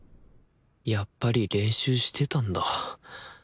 やっぱり練習してたんだ